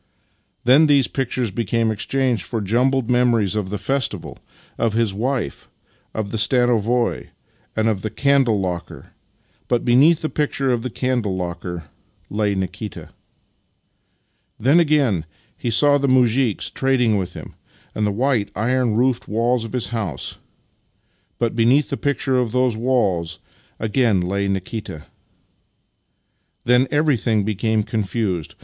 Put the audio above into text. Then these pictures became exchanged for jumbled memories of the festival, of his wife, of the stanovoi, and of the candle locker — but beneath the picture of the candle locker lay Nikita. Then again he saw the muzhiks trading with him, and the white, iron roofed walls of his house — but beneath the picture of those walls again lay Nikita. Then everything be came confused.